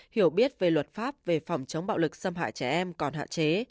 hiểu biết về luật pháp về phòng chống bạo lực xâm hại trẻ em còn hạn chế